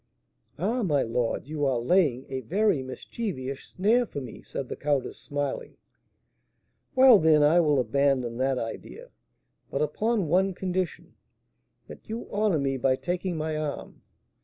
"Ah, my lord, you are laying a very mischievous snare for me," said the countess, smiling. "Well, then, I will abandon that idea; but upon one condition, that you honour me by taking my arm.